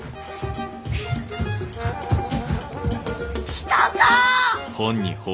来たか！